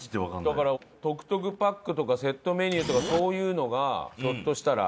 だからトクトクパックとかセットメニューとかそういうのがひょっとしたら。